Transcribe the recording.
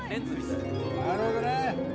なるほどね。